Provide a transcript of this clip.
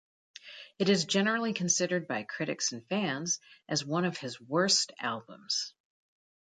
It is generally considered by critics and fans as one of his worst albums.